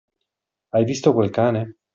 Hai visto quel cane?